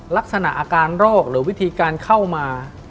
ลักษณะอาการโรคหรือวิธีการเข้ามา